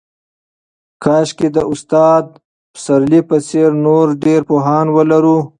کاشکې د استاد پسرلي په څېر نور ډېر پوهان ولرو.